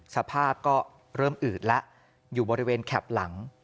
สภาพก็เริ่มอืดแล้วอยู่บริเวณแข็บหลัง